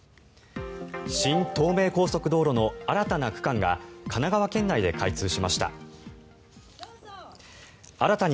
新東名高速道路の新たな区間が神奈川県内で開通しました。